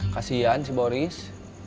kasian si boris